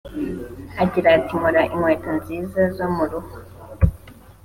Agira ati “Nkora inkweto nziza zo mu ruhu